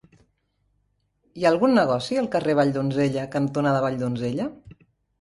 Hi ha algun negoci al carrer Valldonzella cantonada Valldonzella?